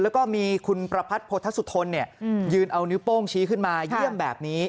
แล้วก็มีคุณประพัทธสุทนยืนเอานิ้วโป้งชี้ขึ้นมาเยี่ยมแบบนี้